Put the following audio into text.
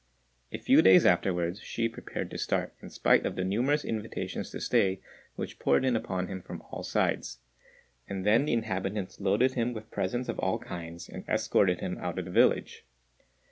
A few days afterwards Hsü prepared to start, in spite of the numerous invitations to stay which poured in upon him from all sides; and then the inhabitants loaded him with presents of all kinds, and escorted him out of the village.